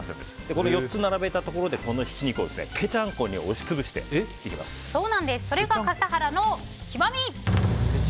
これ４つ並べたところでひき肉をぺちゃんこにそれが笠原の極み。